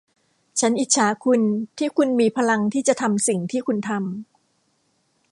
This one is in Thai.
ฉันอิจฉาคุณที่คุณมีพลังที่จะทำสิ่งที่คุณทำ